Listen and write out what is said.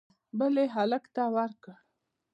بل یې هلک ته ورکړ